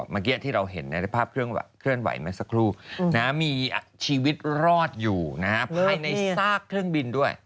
เมื่อกี้ที่เราเห็นในภาพเคลื่อนไหวเมื่อสักครู่มีชีวิตรอดอยู่ภายในซากเครื่องบินด้วย